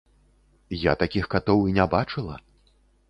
Я такіх катоў і не бачыла.